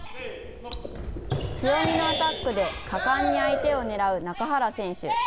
強みのアタックで果敢に相手を狙う中原選手。